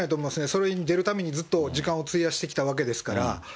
それに出るために、ずっと時間を費やしてきたわけですから。